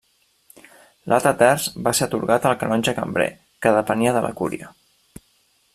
L'altre terç va ser atorgat al canonge cambrer, que depenia de la cúria.